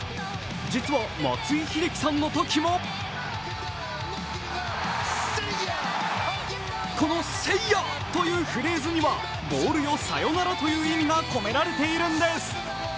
実は、松井秀喜さんのときもこのセイ・ヤッというフレーズには、ボールよサヨナラという意味が込められているんです。